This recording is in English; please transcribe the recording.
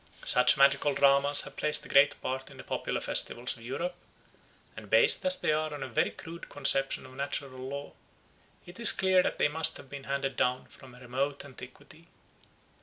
Such magical dramas have played a great part in the popular festivals of Europe, and based as they are on a very crude conception of natural law, it is clear that they must have been handed down from a remote antiquity.